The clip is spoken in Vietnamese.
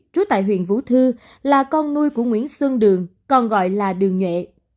trú tại huyện vũ thư là con nuôi của nguyễn xuân đường còn gọi là đường nhuệ